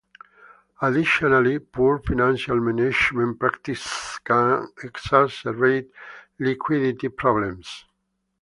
Additionally, poor financial management practices can exacerbate liquidity problems.